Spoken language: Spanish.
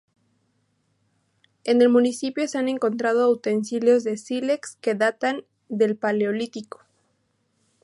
En el municipio se han encontrado utensilios de sílex que datan del Paleolítico.